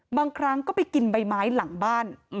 บางครั้งก็ไปกินใบไม้หลังบ้าน